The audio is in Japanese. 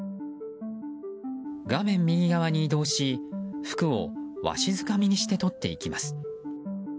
画面右側に移動し、服をわしづかみにしてとっていきます。